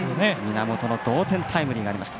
源の同点タイムリーがありました。